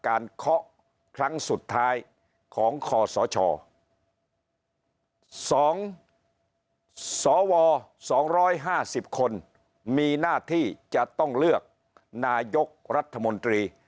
เคาะครั้งสุดท้ายของคศ๒สว๒๕๐คนมีหน้าที่จะต้องเลือกนายกรัฐมนตรี